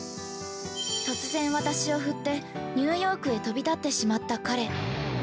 ◆突然私を振ってニューヨークへ飛び立ってしまった彼。